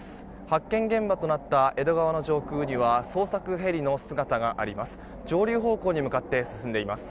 発見現場となった江戸川の上空には捜索ヘリの姿があります。